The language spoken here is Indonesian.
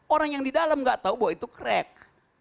orang yang di dalam gak tahu bahwa itu crack